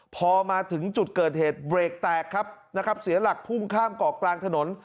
พอมาถึงจุดเกิดเหตุเบรกแตกครับนะครับเสียหลักพุ่งข้ามเกาะกลางถนน